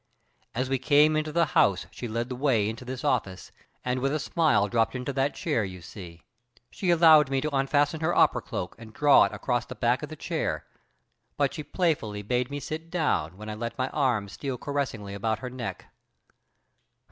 As we came into the house she led the way into this office, and with a smile dropped into that chair you see. She allowed me to unfasten her opera cloak and draw it across the back of the chair, but she playfully bade me sit down, when I let my arm steal caressingly about her neck.